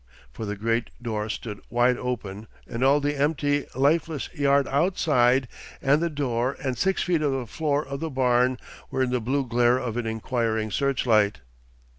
For the great door stood wide open and all the empty, lifeless yard outside and the door and six feet of the floor of the barn were in the blue glare of an inquiring searchlight.